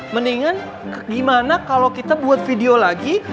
mendingan gimana kalau kita buat video lagi